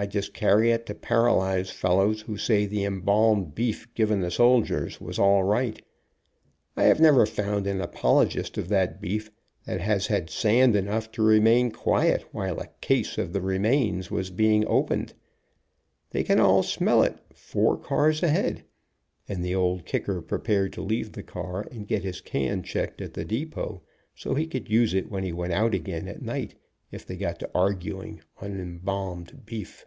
I just carry it to paralyze fellows who say the embalmed beef given the soldiers was all right. I have never found an apologist of that beef that had sand enough to remain quiet while a case of the re mains was being opened. They can all smell it four cars ahead," and the Old Kicker prepared to leave the car and get his can checked at the depot, so he could use it when he went out again at night, if they got to arguing on embalmed beef.